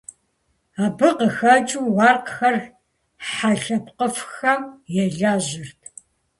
Абы къыхэкӀыу, уэркъхэр хьэ лъэпкъыфӀхэм елэжьырт.